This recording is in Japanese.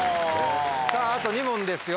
さぁあと２問ですよ